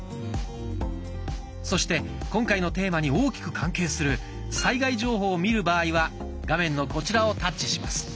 そして今回のテーマに大きく関係する災害情報を見る場合は画面のこちらをタッチします。